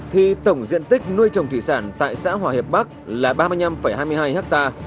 thì tổng diện tích nuôi trồng thủy sản tại xã hòa hiệp bắc là ba mươi năm hai mươi hai ha